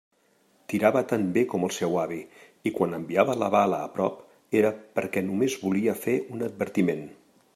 Tirava tan bé com el seu avi, i quan enviava la bala a prop, era perquè només volia fer un advertiment.